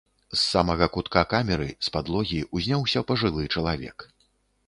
З самага кутка камеры, з падлогі, узняўся пажылы чалавек.